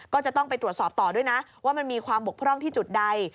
ก็จะต้องไปตรวจสอบต่อด้วยนะว่ามันมีความบกพร่องที่จุดใด